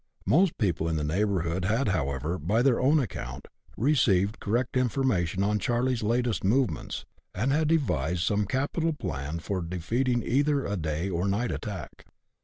Most people in the neighbourhood had, however, by their own account, received correct information of Charley's latest move ments, and had devised some capital plan for defeating either a day or night attack.